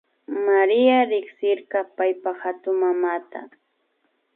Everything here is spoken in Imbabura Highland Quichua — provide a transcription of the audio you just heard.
Maria riksirka paypa hatunmamata